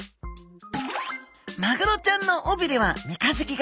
マグロちゃんの尾びれは三日月形。